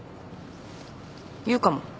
言うかも。